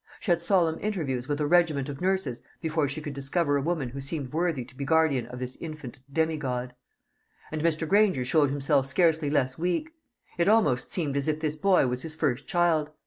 She had solemn interviews with a regiment of nurses before she could discover a woman who seemed worthy to be guardian of this infant demigod. And Mr. Granger showed himself scarcely less weak. It almost seemed as if this boy was his first child.